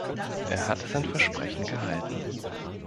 Er hat sein Versprechen gehalten.